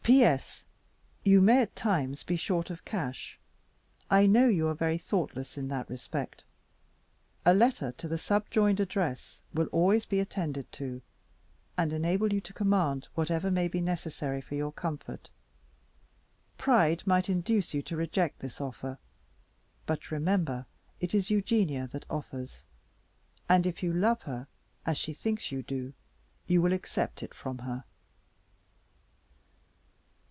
"P.S. You may at rimes be short of cash; I know you are very thoughtless in that respect. A letter to the subjoined address will always be attended to, and enable you to command whatever may be necessary for your comfort. Pride might induce you to reject this offer; but remember it is Eugenia that offers: and if you love her as she thinks you do, you will accept it from her."